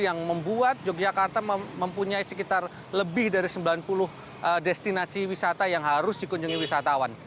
yang membuat yogyakarta mempunyai sekitar lebih dari sembilan puluh destinasi wisata yang harus dikunjungi wisatawan